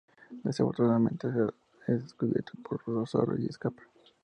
Desafortunadamente, es descubierto por los zorros y escapa.